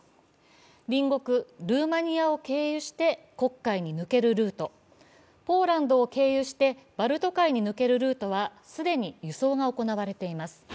隣国ルーマニアを経由して黒海に抜けるルート、ポーランドを経由してバルト海に抜けるルートは既に輸送が行われています。